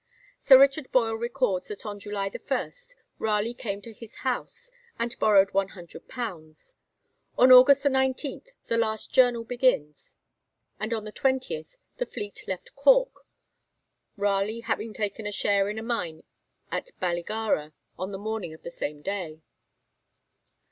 Sir Richard Boyle records that on July 1 Raleigh came to his house, and borrowed 100_l._ On August 19 the last Journal begins, and on the 20th the fleet left Cork, Raleigh having taken a share in a mine at Balligara on the morning of the same day.